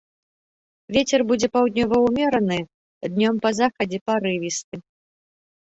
Вецер будзе паўднёвы ўмераны, днём па захадзе парывісты.